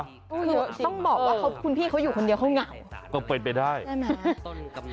คือต้องบอกว่าคุณพี่เขาอยู่คนเดียวเขาเหงาก็เป็นไปได้ใช่ไหม